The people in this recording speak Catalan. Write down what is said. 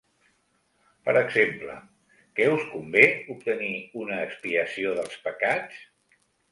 Per exemple: que us convé obtenir una expiació dels pecats?